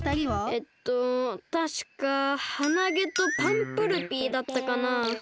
えっとたしかハナゲとパンプルピーだったかな。